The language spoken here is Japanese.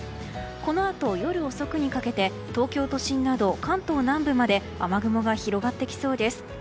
このあと夜遅くにかけて東京都心など関東南部まで雨雲が広がってきそうです。